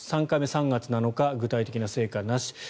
３回目、３月７日具体的な成果なし。